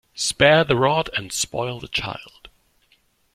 Spare the rod and spoil the child.